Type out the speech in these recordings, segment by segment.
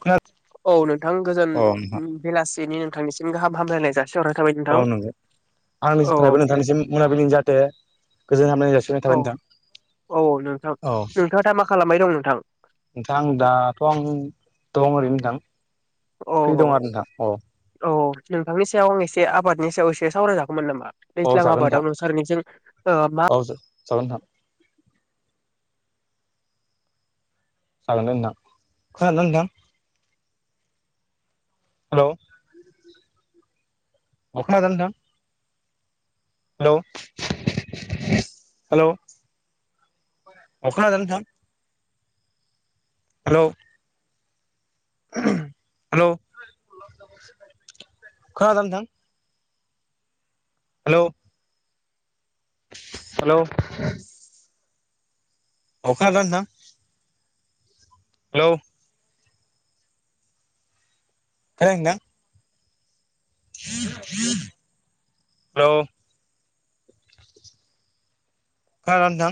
खोनादों? औ नोंथां गोजोन अ नोंथां बेलासिनि नोंथांनिसिम गाहाम हामलायनाय जासि हरनाय थाबाय नोंथां औ नंगौ आंनि औ जिथराबो नोंथांनिसिम मोनाबिलिनि जाहाथे गोजोन हामनाय जासि औ औ औ नोंथां औ नोंथाङा दा मा खालामबाय दं नोंथां? नोंथां दाथ' आं दं ओरैनो नोंथां औ फ्रि दं आरो नोंथां अ। औ औ नोंथांनि सायाव आं एसे आबादनि सायाव एसे सावरायजागौमोन नामा? औ दैज्लां जागोन आबादाव नोंसारनिजों ओ मा जागोनथां जागोनदे नोंथां। खोनादोंना नोंथां? हेल' अ खोनदोंना नोंथां? हेल' हेल' अ खोनादोंना नोथां? हेलौ उम हेलौ खोनादोंना नोंथां? हेलौ हेल' अ खोनादोंना नोंथां? हेलौ [unintelligible] हेलौ बारा नोंथां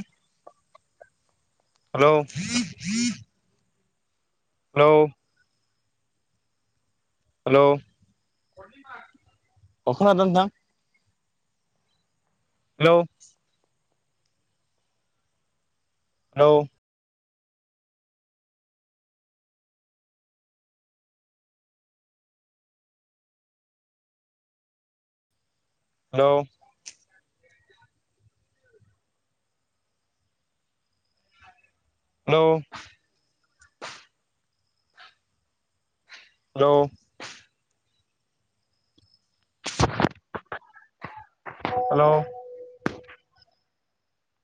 हेलौ हेलौ हेलौ अ खोनादोंना नोंथां? Hello hello hello hello hello hello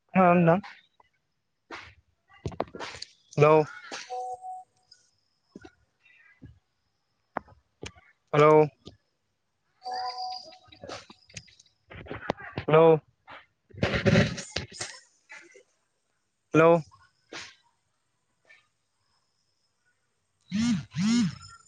खोनादों नोंथां हेलौ। Hello hello [inaudible] hello [inaudible]